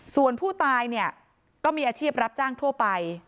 ส่วนผู้ตายเนี่ยก็มีอาชีพรับจ้างทั่วไป